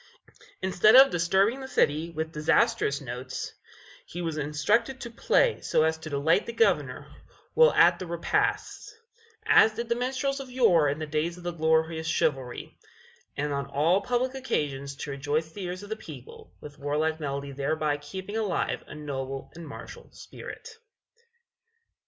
Instead of disturbing the city with disastrous notes, he was instructed to play so as to delight the Governor while at his repasts, as did the minstrels of yore in the days of the glorious chivalry and on all public occasions to rejoice the ears of the people with warlike melody thereby keeping alive a noble and martial spirit.